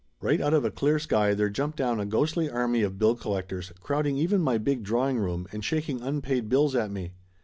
Right out of a clear sky there jumped down a ghostly army of bill collectors, crowding even my big drawing room and shaking unpaid bills at me.